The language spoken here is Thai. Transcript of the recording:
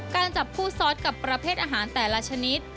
จับคู่ซอสกับประเภทอาหารแต่ละชนิด